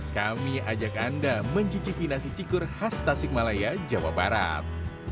kami ajak anda mencicipi nasi cikur khas tasik malaya jawa barat